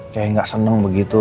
kayak gak seneng begitu